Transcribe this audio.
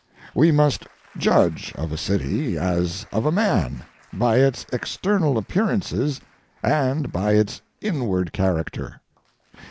We must judge of a city, as of a man, by its external appearances and by its inward character.